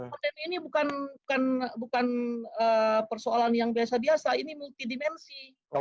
konten ini bukan persoalan yang biasa biasa ini multidimensi